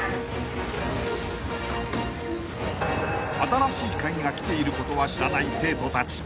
［『新しいカギ』が来ていることは知らない生徒たち］